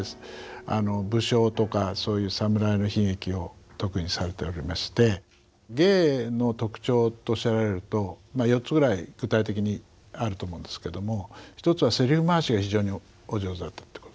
武将とかそういう侍の悲劇を特にされておりまして芸の特徴とおっしゃられると４つぐらい具体的にあると思うんですけども一つはセリフ回しが非常にお上手だったってこと。